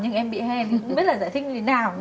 nhưng em bị hen không biết là giải thích như thế nào